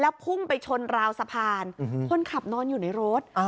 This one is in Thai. พุ่งไปชนราวสะพานคนขับนอนอยู่ในรถ